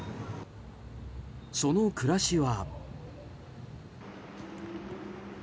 その暮らしは。